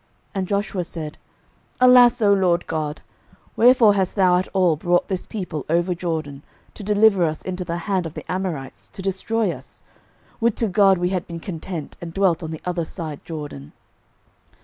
06:007:007 And Joshua said, Alas, O LORD God, wherefore hast thou at all brought this people over Jordan, to deliver us into the hand of the Amorites, to destroy us? would to God we had been content, and dwelt on the other side Jordan!